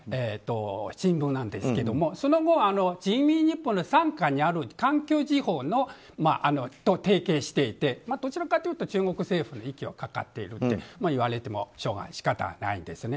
その後、人民日報の傘下にある環球時報と提携していてどちらかというと中国政府の息がかかっているといわれても仕方ないんですね。